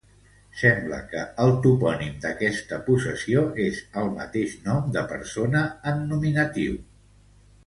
Sembla que el topònim d'aquesta possessió és el mateix nom de persona en nominatiu.